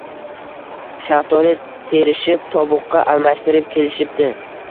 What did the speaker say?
Shaftoli terishib, tovuqqa almashtirib kelishibdi